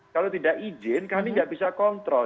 kalau tidak izin kami tidak bisa kontrol